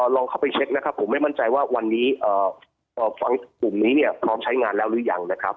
ลองเข้าไปเช็คนะครับผมไม่มั่นใจว่าวันนี้ฟังกลุ่มนี้เนี่ยพร้อมใช้งานแล้วหรือยังนะครับ